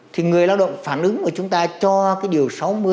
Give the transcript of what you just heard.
thì người lao động phản ứng của chúng ta cho cái điều sáu mươi